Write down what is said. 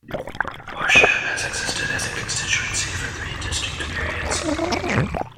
Horsham has existed as a constituency for three distinct periods.